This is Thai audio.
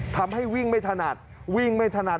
ทำให้วิ่งไม่ถนัดวิ่งไม่ถนัด